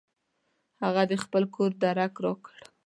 هغه د خپل کور درک راکړ.